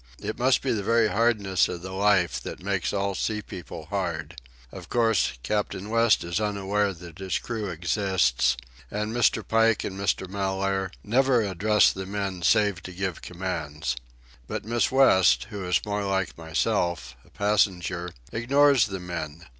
It must be the very hardness of the life that makes all sea people hard. Of course, Captain West is unaware that his crew exists, and Mr. Pike and Mr. Mellaire never address the men save to give commands. But Miss West, who is more like myself, a passenger, ignores the men.